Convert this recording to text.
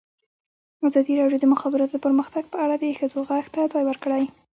ازادي راډیو د د مخابراتو پرمختګ په اړه د ښځو غږ ته ځای ورکړی.